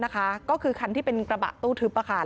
ก็คือคันที่เป็นกระบะตู้ทึบ